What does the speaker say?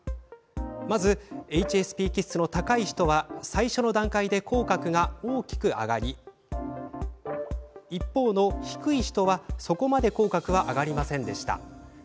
まずＨＳＰ気質の高い人は最初の段階で口角が大きく上がり一方、低い人はそこまで口角は上がりませんでした。